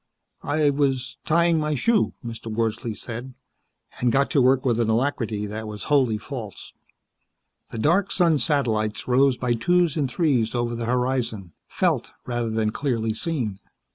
"I was tying my shoe," Mr. Wordsley said, and got to work with an alacrity that was wholly false. The dark sun satellites rose by twos and threes over the horizon, felt rather than clearly seen.